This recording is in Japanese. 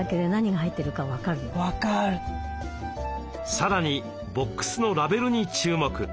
さらにボックスのラベルに注目！